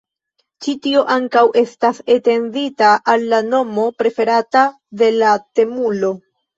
Ĉi tio ankaŭ estas etendita al la nomo preferata de la temulo.